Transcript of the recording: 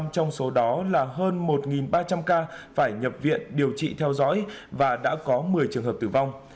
một mươi trong số đó là hơn một ba trăm linh ca phải nhập viện điều trị theo dõi và đã có một mươi trường hợp tử vong